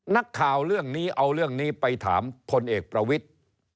นักข่าวเรื่องนี้เอาเรื่องนี้ไปถามพลเอกประวิทธิ์